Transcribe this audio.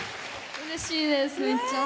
うれしいです、めっちゃ。